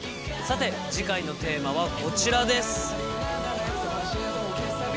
さて次回のテーマはこちらです。